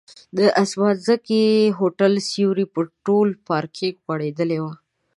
د اسمانځکي هوټل سیوری پر ټول پارکینک غوړېدلی و.